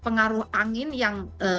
pengaruh angin yang